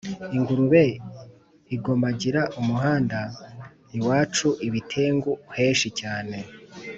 Ingurube igomagira umuhanda, Iwuca ibitengu henshi cyane,